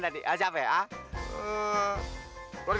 kami sudah pulang